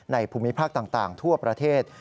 ภูมิภาคต่างทั่วประเทศ